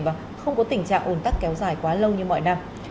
và không có tình trạng ồn tắc kéo dài quá lâu như mọi năm